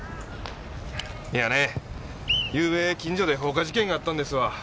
いやねゆうべ近所で放火事件があったんですわ。